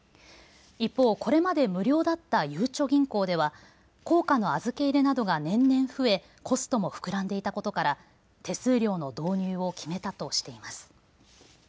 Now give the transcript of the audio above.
一方、これまで無料だったゆうちょ銀行では硬貨の預け入れなどが年々、増えコストも膨らんでいたことから手数料の導入を決めたとしています。